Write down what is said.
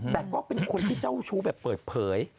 และก็เป็นคนที่ชู้แบบเปิดเผย